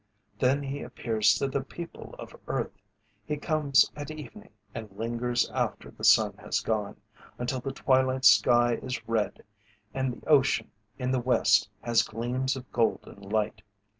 Then he appears to the people of earth. He comes at evening and lingers after the sun has gone, until the twilight sky is red, and the ocean in the west has gleams of golden light.